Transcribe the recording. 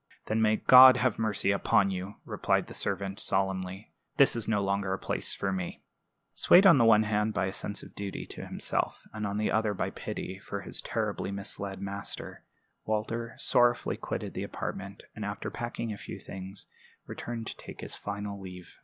"Then may God have mercy upon you!" replied the servant, solemnly. "This is no longer a place for me." Swayed on the one hand by a sense of duty to himself, and on the other by pity for his terribly misled master, Walter sorrowfully quitted the apartment, and after packing a few things, returned to take his final leave.